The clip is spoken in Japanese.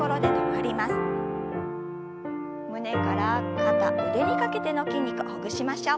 胸から肩腕にかけての筋肉ほぐしましょう。